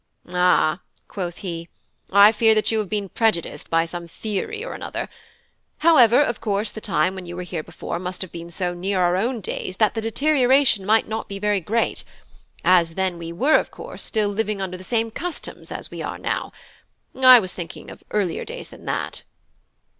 "Ah," quoth he, "I fear that you have been prejudiced by some theory or another. However, of course the time when you were here before must have been so near our own days that the deterioration might not be very great: as then we were, of course, still living under the same customs as we are now. I was thinking of earlier days than that."